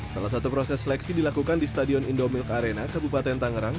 salah satu proses seleksi dilakukan di stadion indomilk arena kabupaten tangerang